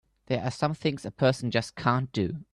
There are some things a person just can't do!